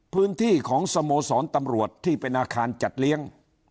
พื้นที่ของสโมสรตำรวจที่เป็นอาคารจัดเลี้ยง